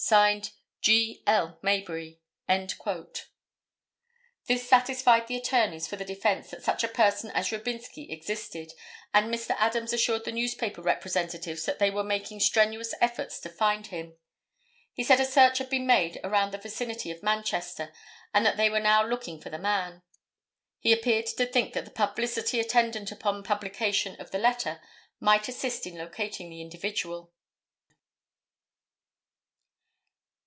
Signed, G. L. Mayberry." This satisfied the attorneys for the defence that such a person as Robinsky existed and Mr. Adams assured the newspaper representatives that they were making strenuous efforts to find him. He said a search had been made around the vicinity of Manchester, and that they were now looking for the man. He appeared to think that the publicity attendant upon publication of the letter might assist in locating the individual.